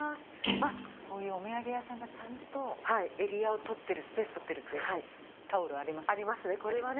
こういうお土産屋さんがちゃんとエリアを取ってるスペース取ってるってタオルありますね。